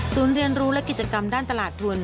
เรียนรู้และกิจกรรมด้านตลาดทุน